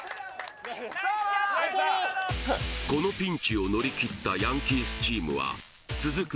このピンチを乗りきったヤンキースチームは続く